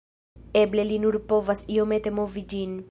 Eble li nur povas iomete movi ĝin